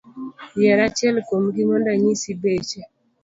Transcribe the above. Yier achiel kuogi mondo anyisi beche?